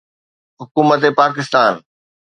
حڪومت پاڪستان